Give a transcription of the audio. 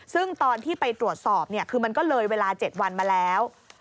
ซึ่งตอนที่ไปตรวจสอบคือมันก็เลยเวลา๗วันมาแล้ว